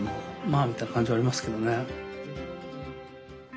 まあみたいな感じはありますけどね。